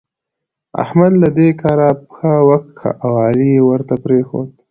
احمد له دې کاره پښه وکښه او علي يې ورته پرېښود.